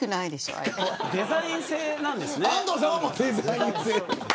デザイン性なんですね。